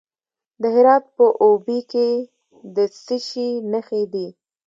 د هرات په اوبې کې د څه شي نښې دي؟